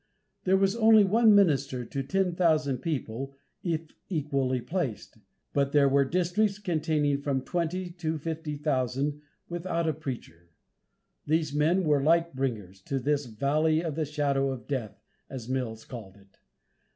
There was only one minister to ten thousand people if equally placed; but there were districts containing from twenty to fifty thousand "without a preacher." These men were light bringers to this "valley of the shadow of death," as Mills called it.